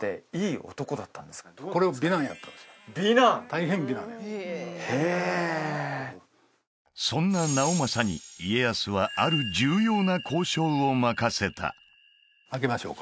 大変美男やったへえそんな直政に家康はある重要な交渉を任せた開けましょうか？